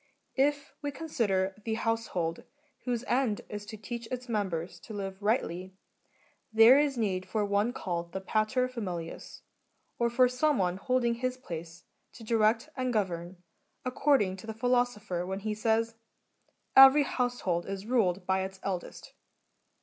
If we consider the household, whose end is to teach its members to live rightly, there is need for one called the pater familias^ or for some one holding his place, to direct and gov ern, according to the Philosopher when he says, " Every household is ruled by its eldest."